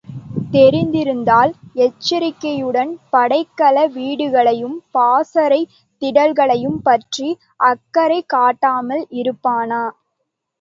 தெரிந்திருந்தால், எச்சரிக்கையுடன் படைக்கல வீடுகளையும் பாசறைத் திடல்களையும் பற்றி அக்கறை காட்டாமல் இருப்பானா?